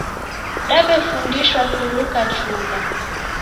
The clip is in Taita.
Daw'efundishwa kuluka chugha